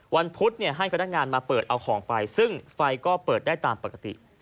พุธให้พนักงานมาเปิดเอาของไปซึ่งไฟก็เปิดได้ตามปกติ